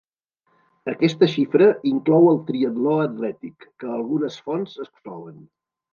Aquesta xifra inclou el triatló atlètic, que algunes fonts exclouen.